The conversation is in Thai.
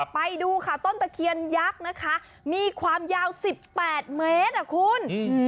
ไปดูค่ะต้นตะเคียนยักษ์นะคะมีความยาว๑๘เมตรอ่ะคุณ